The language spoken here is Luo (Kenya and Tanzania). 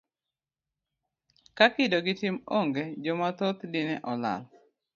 Ka kido gi tim onge, joma dhoth dine olal.